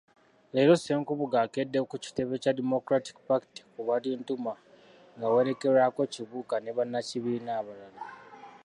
Leero Ssenkubuge akedde ku kitebe kya Democratic Party ku Balintuma ng'awerekerwako Kibuuka ne bannakibiina abalala.